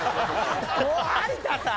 もう有田さん！